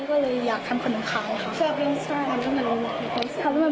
ก็เลยอยากทำขนมค้านะครับ